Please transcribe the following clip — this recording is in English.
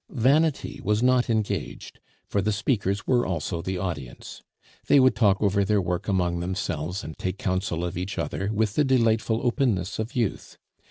Vanity was not engaged, for the speakers were also the audience. They would talk over their work among themselves and take counsel of each other with the delightful openness of youth.